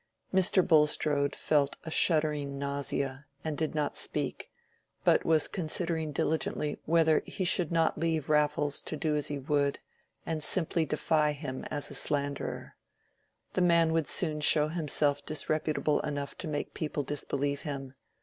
Mr. Bulstrode felt a shuddering nausea, and did not speak, but was considering diligently whether he should not leave Raffles to do as he would, and simply defy him as a slanderer. The man would soon show himself disreputable enough to make people disbelieve him.